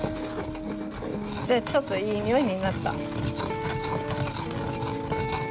ちょっといい匂いになった。